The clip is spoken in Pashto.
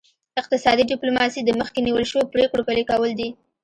اقتصادي ډیپلوماسي د مخکې نیول شوو پریکړو پلي کول دي